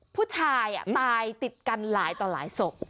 ผู้ชายตายติดกันหลายต่อหลายศพ